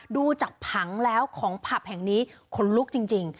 ดูจากผังแล้วของผับแห่งนี้ขนลุกจริง